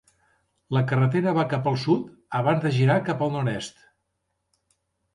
La carretera va cap al sud abans de girar cap al nord-est.